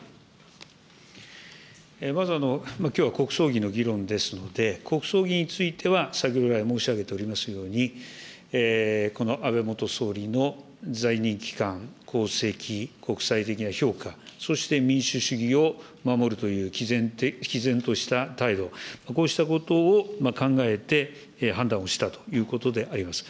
まず、きょうは国葬儀の議論ですので、国葬儀については、先ほど来申し上げておりますように、この安倍元総理の在任期間、功績、国際的な評価、そして民主主義を守るという、きぜんとした態度、こうしたことを考えて判断をしたということであります。